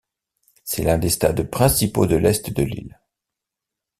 C'est l'un des stades principaux de l'Est de l'île.